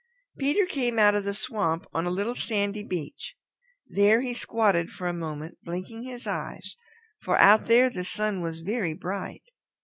Peter came out of the swamp on a little sandy beach. There he squatted for a moment, blinking his eyes, for out there the sun was very bright.